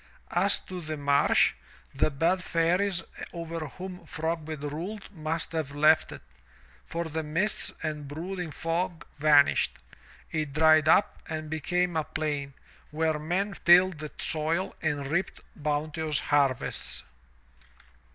As to the marsh, the bad fairies over whom Frogbit ruled must have left it, for the mists and brooding fog vanished; it dried up and became a plain where men tilled the soil and reaped bounteous harvests.